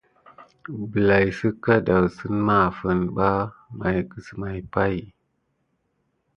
Bəlay sika adasine mà afine ɓa may kusimaya pay.